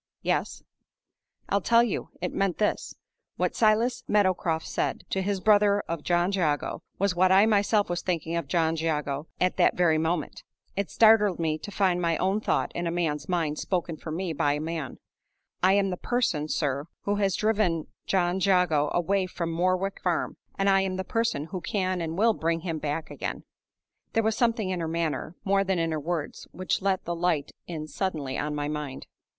"Yes." "I'll tell you. It meant this: What Silas Meadowcroft said to his brother of John Jago was what I myself was thinking of John Jago at that very moment. It startled me to find my own thought in a man's mind spoken for me by a man. I am the person, sir, who has driven John Jago away from Morwick Farm; and I am the person who can and will bring him back again." There was something in her manner, more than in her words, which let the light in suddenly on my mind.